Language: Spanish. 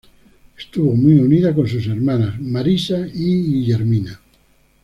Estuvo muy unida con sus hermanas Marisa y Guillermina.